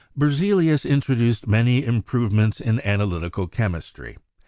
Berzelius introduced many improvements in analytical chemistry.